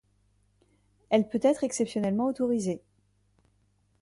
Elle peut être exceptionnellement autorisée.